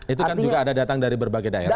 itu kan juga ada datang dari berbagai daerah